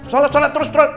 salat salat terus salat